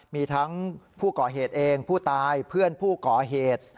มีทั้งผู้ก่อเหตุเองผู้ตายเพื่อนผู้ก่อเหตุ